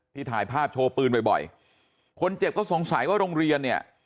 ถ่ายภาพโชว์ปืนบ่อยบ่อยคนเจ็บก็สงสัยว่าโรงเรียนเนี่ย